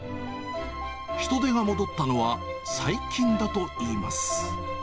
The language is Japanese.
人出が戻ったのは最近だといいます。